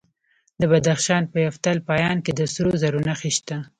د بدخشان په یفتل پایان کې د سرو زرو نښې شته.